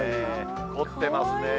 凝ってますね。